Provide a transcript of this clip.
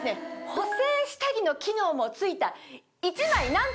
補整下着の機能も付いた。